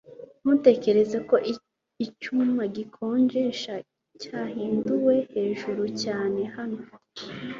ntutekereza ko icyuma gikonjesha cyahinduwe hejuru cyane hano